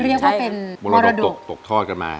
เรียกว่าเป็นมรดกตกทอดกันมา